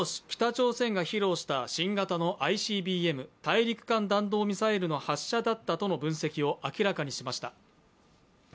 北朝鮮が披露した新型のＩＣＢＭ＝大陸間弾道ミサイルの発射だったとの分析を明らかにしました。